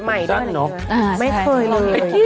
ไม่เคยเห็นไอ้กี้ตับผมสั้นเนอะ